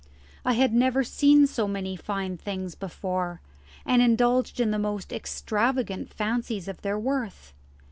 I had never seen so many fine things before, and indulged in the most extravagant fancies of their worth.